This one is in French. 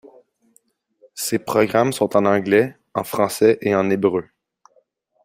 Ses programmes sont en anglais, en français et en hébreu.